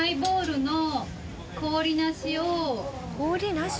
氷なし？